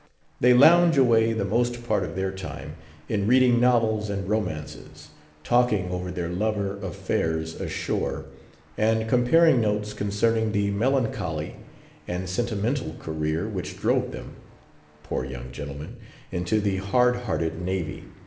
They lounge away the most part of their time, in reading novels and romances; talking over their lover affairs ashore; and comparing notes concerning the melancholy and sentimental career which drove them—poor young gentlemen—into the hard hearted navy.